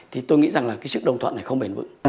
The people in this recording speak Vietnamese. thì tôi nghĩ rằng là cái sự đồng thuận này không bền vững